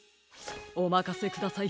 おまかせください。